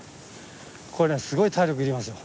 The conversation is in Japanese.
これすごい体力いりますよ。